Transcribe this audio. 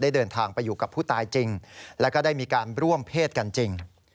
เดินทางไปอยู่กับผู้ตายจริงแล้วก็ได้มีการร่วมเพศกันจริง